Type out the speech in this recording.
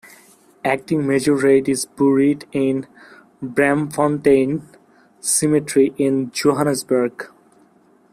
Acting-Major Reid is buried in Braamfontein Cemetery in Johannesburg.